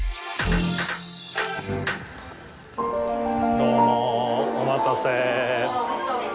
どうもお待たせ。